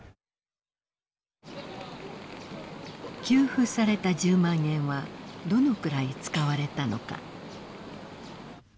給付された１０万円はどのくらい使われたのか。